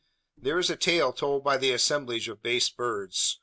There is a tale told by the assemblage of base birds.